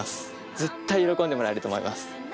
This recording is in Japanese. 絶対喜んでもらえると思います。